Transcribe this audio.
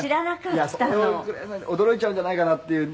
「驚いちゃうんじゃないかなっていう」